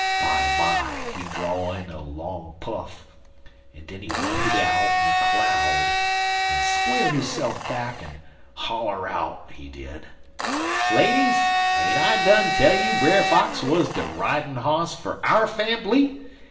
Bimeby he draw in a long puff, en den let hit out in a cloud, en squar hisse'f back en holler out, he did: "'Ladies, ain't I done tell you Brer Fox wuz de ridin' hoss fer our fambly?